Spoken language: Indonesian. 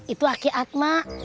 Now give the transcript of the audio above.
itu aki atma